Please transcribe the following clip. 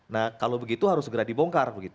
nah kalau begitu harus segera dibongkar